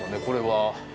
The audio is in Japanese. これは。